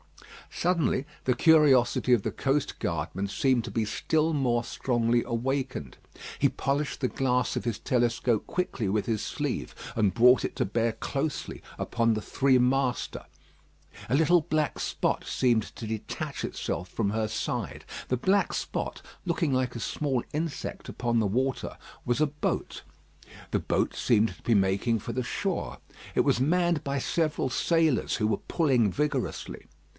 Suddenly, the curiosity of the coast guardman seemed to be still more strongly awakened. He polished the glass of his telescope quickly with his sleeve, and brought it to bear closely upon the three master. A little black spot seemed to detach itself from her side. The black spot, looking like a small insect upon the water, was a boat. The boat seemed to be making for the shore. It was manned by several sailors, who were pulling vigorously.